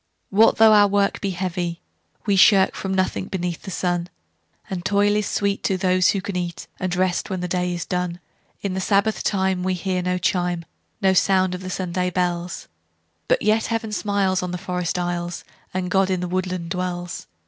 What though our work he heavy, we shirkFrom nothing beneath the sun; And toil is sweet to those who can eatAnd rest when the day is done.In the Sabbath time we hear no chime, No sound of the Sunday bells; But yet Heaven smiles on the forest aisles, And God in the woodland dwells.